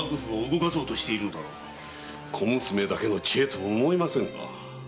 小娘だけの知恵とは思えませんが。